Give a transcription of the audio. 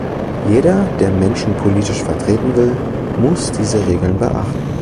Jeder, der Menschen politisch vertreten will, muss diese Regeln beachten.